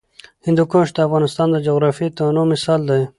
هندوکش د افغانستان د جغرافیوي تنوع مثال دی.